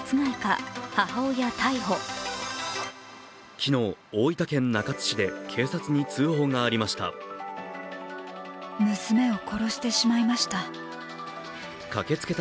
昨日、大分県中津市で警察に通報がありました。